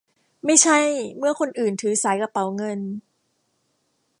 ไม่ใช่เมื่อคนอื่นถือสายกระเป๋าเงิน